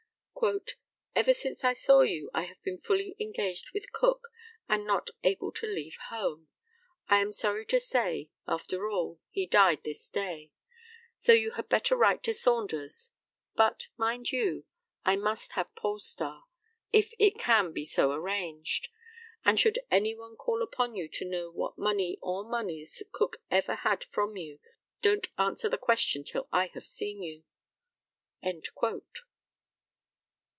"Ever since I saw you I have been fully engaged with Cook, and not able to leave home. I am sorry to say, after all, he died this day. So you had better write to Saunders; but, mind you, I must have Polestar, if it can be so arranged; and, should any one call upon you to know what money or moneys Cook ever had from you, don't answer the question till I have seen you."